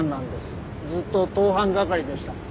ずっと盗犯係でした。